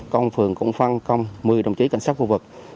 công an phường cũng phân công một mươi đồng chí cảnh sát khu vực